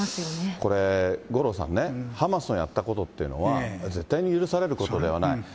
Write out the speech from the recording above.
これ五郎さんね、ハマスのやったことっていうのは、絶対に許されることではない。